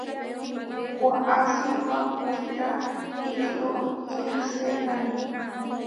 Waʼási wakirá ičió kiasépani.